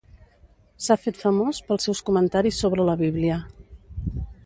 S'ha fet famós pels seus comentaris sobre la Bíblia.